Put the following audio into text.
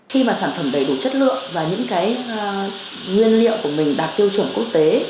khi mà sản phẩm đầy đủ chất lượng và những cái nguyên liệu của mình đạt tiêu chuẩn quốc tế